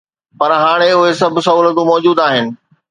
پر هاڻي اهي سڀ سهولتون موجود آهن.